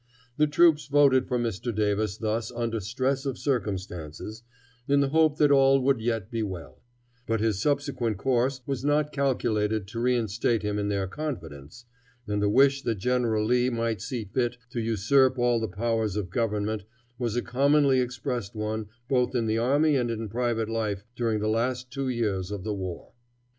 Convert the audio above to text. The troops voted for Mr. Davis thus under stress of circumstances, in the hope that all would yet be well; but his subsequent course was not calculated to reinstate him in their confidence, and the wish that General Lee might see fit to usurp all the powers of government was a commonly expressed one, both in the army and in private life during the last two years of the war.